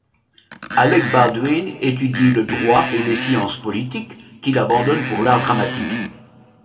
Alec Baldwin étudie le droit et les sciences politiques, qu'il abandonne pour l'art dramatique.